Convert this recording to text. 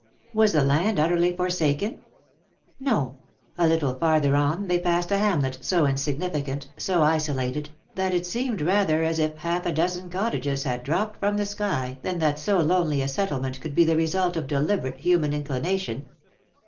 Was the land utterly forsaken ? No ; a little farther on they passed a hamlet so insignificant, so isolated, that it seemed rather as if half a dozen cottages had dropped from the sky than that so lonely a settle ment could be the result of deliberate human in clination.